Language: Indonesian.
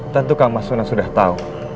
tentu kan mas sunan sudah tahu